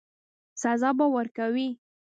سزا به ورکوي.